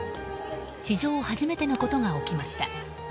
史上初めてのことが起きました。